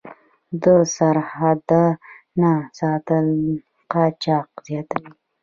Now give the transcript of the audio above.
د سرحد نه ساتل قاچاق زیاتوي.